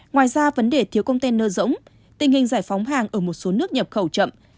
ngoài ra vấn đề thiếu công tên nơ rỗng tình hình giải phóng hàng ở một số nước nhập khẩu chậm